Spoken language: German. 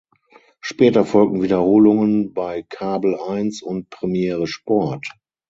Später folgten Wiederholungen bei Kabel eins und Premiere Sport.